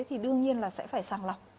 thì đương nhiên là sẽ phải sẵn lọc